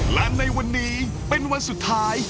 และในวันนี้เป็นวันสุดท้าย